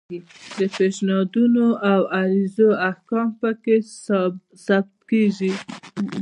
د پیشنهادونو او عرایضو احکام پکې ثبتیږي.